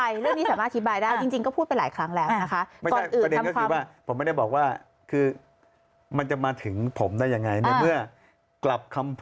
อย่าภาทบิงกลับไปเยอะเดี๋ยวไม่ได้คุยเรื่องละ